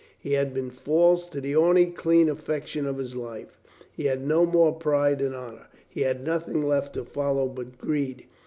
He had been false to the only clean affection of his life. He had no more pride in honor. He had nothing left to follow but greed.